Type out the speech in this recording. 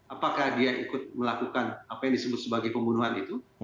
apakah dia ikut melakukan apa yang disebut sebagai pembunuhan itu